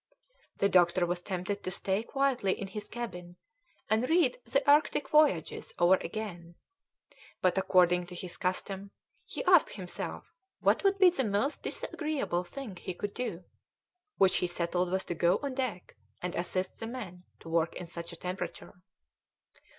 The doctor was tempted to stay quietly in his cabin, and read the Arctic voyages over again; but, according to his custom, he asked himself what would be the most disagreeable thing he could do, which he settled was to go on deck and assist the men to work in such a temperature.